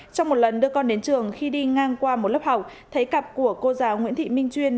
trong một lần đưa con đến trường khi đi ngang qua một lớp học thấy cặp của cô giáo nguyễn thị minh chuyên